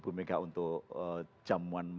bumega untuk jamuan